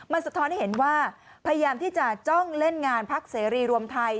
มันสะท้อนให้เห็นว่าพยายามที่จะจ้องเล่นงานพักเสรีรวมไทย